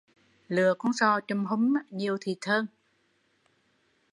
Lựa con sò chùm hum nhiều thịt hơn